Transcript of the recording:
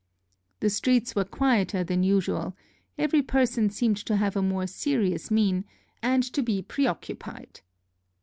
The streets were quieter than usual; every person seemed to have a more serious mien, and to be preoccu pied.